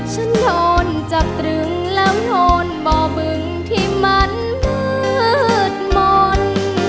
ฉันโดนจับตรึงแล้วนอนบ่อบึงที่มันมืดมนต์